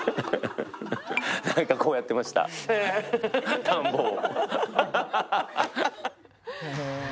何かこうやってました、田んぼを。